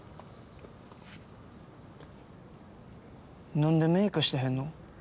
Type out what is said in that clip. なんでメイクしてへんの？